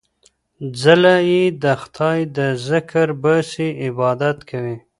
څله يې د خداى د ذکر باسې ، عبادت کوي